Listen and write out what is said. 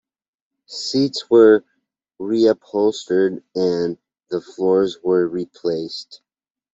Seats were reupholstered, and the floors were replaced.